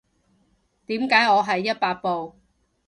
點解我係一百步